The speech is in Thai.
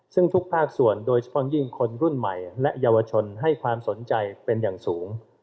ซึ่งทุกภาคส่วนโดยเฉพาะยิ่งคนรุ่นใหม่และเยาวชนให้ความสนใจเป็นอย่างสูง